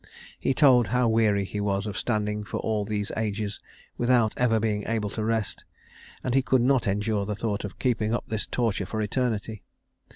He told how weary he was of standing for all these ages without ever being able to rest, and he could not endure the thought of keeping up this torture for eternity.